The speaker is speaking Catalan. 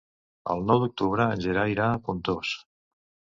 El nou d'octubre en Gerard irà a Pontós.